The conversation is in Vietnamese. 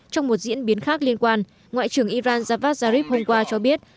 trong một diễn biến khác liên quan ngoại trưởng iran javad zarif hôm qua cho biết